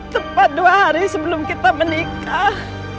tepat dua hari sebelum kita menikah